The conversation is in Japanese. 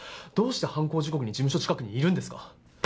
どうして犯行時刻に事務所近くにいるんですか？